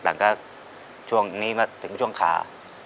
หลังนั้นหลังก็ช่วงนี้มาถึงช่วงค่า